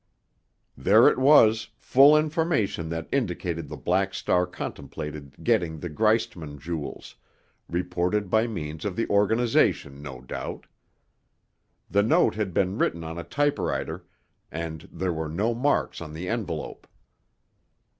There it was, full information that indicated the Black Star contemplated getting the Greistman jewels, reported by means of the organization, no doubt. The note had been written on a typewriter, and there were no marks on the envelope.